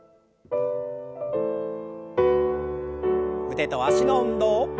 腕と脚の運動。